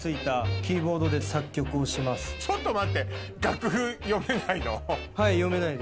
ちょっと待って。